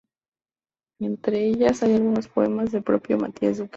Entre ellas hay algunos poemas del propio Matías Duque.